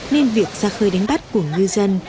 nên việc ra khơi đánh bắt của ngư dân